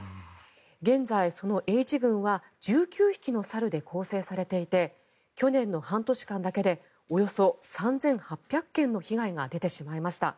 現在、そのＨ群は１９匹の猿で構成されていて去年の半年間だけでおよそ３８００件の被害が出てしまいました。